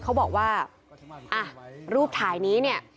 เขาบอกว่าอ่ะรูปถ่ายนี้เนี่ย